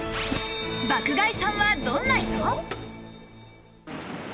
爆買いさんはどんな人？